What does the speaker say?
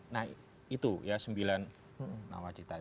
nah itu sembilan nawacita